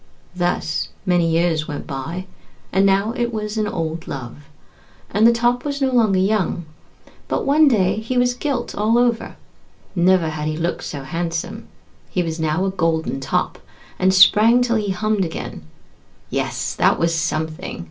Thus many years went by, and now it was an old love. And the Top was no longer young. But one day he was gilt all over; never had he looked so handsome; he was now a golden Top, and sprang till he hummed again. Yes, that was something!